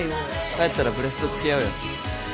帰ったらブレストつきあうよ